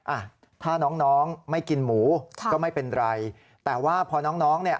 อ่ะถ้าน้องไม่กินหมูก็ไม่เป็นไรแต่ว่าพอน้องเนี่ย